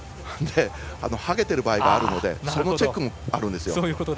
はげてる場合があるのでそのチェックもあるんですよ。